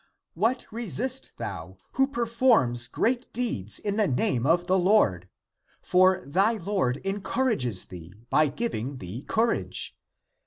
What restest thou, who per forms great deeds in the name of the Lord? For thy Lord encourages thee, by giving thee courage.